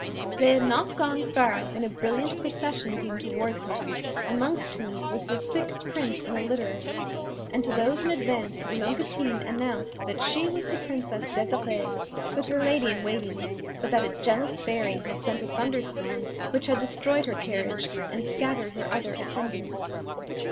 "] They had not gone far when a brilliant procession came towards them, amongst whom was the sick Prince in a litter, and to those in advance Longue Epine announced that she was the Princess Desirée, with her Lady in Waiting, but that a jealous Fairy had sent a thunderstorm which had destroyed her carriage and scattered her other attendants.